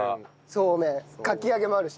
そうめんかき揚げもあるし。